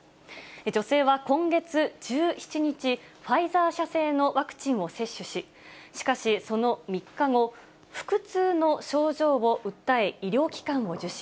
女性は今月１７日、ファイザー社製のワクチンを接種し、しかしその３日後、腹痛の症状を訴え、医療機関を受診。